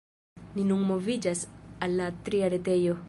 Ni nun moviĝas al la tria retejo.